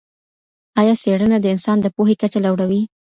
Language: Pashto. ایا څېړنه د انسان د پوهې کچه لوړوي؟